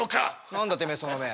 何だてめえその目。